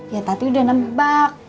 ya tadi udah nebak